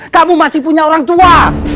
kamu masih punya orang tua